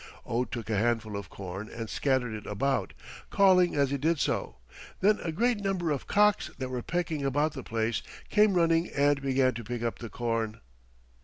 Oh took a handful of corn and scattered it about, calling as he did so. Then a great number of cocks that were pecking about the place came running and began to pick up the corn.